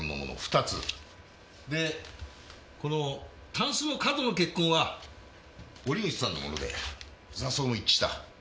でこのタンスの角の血痕は折口さんのもので挫創も一致した。